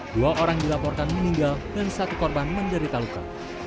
dua orang dilaporkan meninggal dan satu korban menderita luka